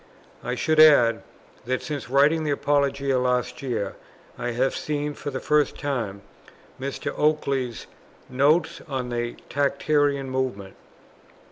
I should add that, since writing the Apologia last year, I have seen for the first time Mr. Oakeley's "Notes on the Tractarian Movement."